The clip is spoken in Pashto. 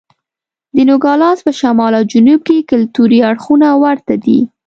د نوګالس په شمال او جنوب کې کلتوري اړخونه ورته دي.